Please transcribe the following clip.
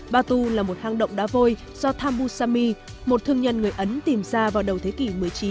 batu là một hang động đá vôi do thambusami một thương nhân người ấn tìm ra vào đầu thế kỷ một mươi chín